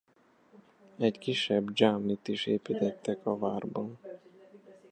Egy kisebb dzsámit is építettek a várban.